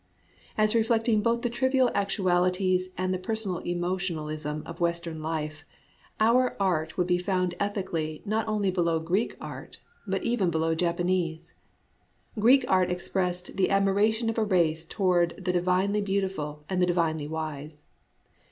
As reflecting both the trivial actualities and the personal emotionalism of Western life, our ABOUT FACES IN JAPANESE ART 121 art would be found ethically not only below Greek art, but even below Japanese. Greek art expressed the aspiration of a race toward the divinely beautiful and the divinely wise.